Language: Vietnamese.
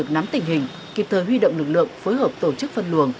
nắm tình hình kịp thời huy động lực lượng phối hợp tổ chức phân luồng